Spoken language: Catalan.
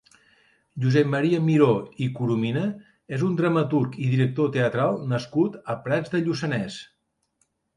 Josep Maria Miró i Coromina és un dramaturg i director teatral nascut a Prats de Lluçanès.